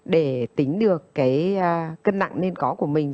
để tính được cái cân nặng nên có của mình